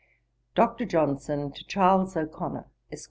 'DR. JOHNSON TO CHARLES O'CONNOR, Esq.